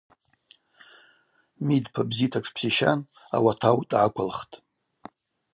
Мидпа бзита тшпсищан ауатау дгӏаквылхтӏ.